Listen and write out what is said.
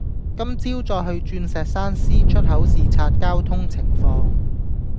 今朝再去鑽石山 C 出口視察交通情況